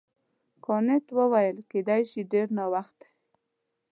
کانت وویل کیدای شي ډېر ناوخته وي.